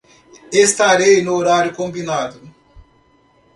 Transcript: Estarei no horário combinado